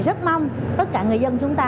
rất mong tất cả người dân chúng ta